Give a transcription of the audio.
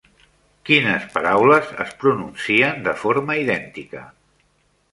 Quines paraules es pronuncien de forma idèntica?